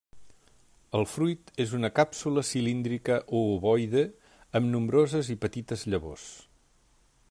El fruit és una càpsula cilíndrica o ovoide amb nombroses i petites llavors.